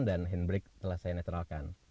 dan handbrake telah saya naturalkan